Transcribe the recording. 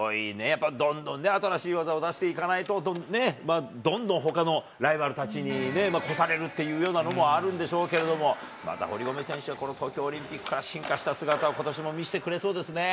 やっぱどんどんね、新しい技を出していかないとね、どんどんほかのライバルたちに越されるっていうのもあるんでしょうけれど、また堀米選手は、この東京オリンピックから進化した姿を、ことしも見せてくれそうですね。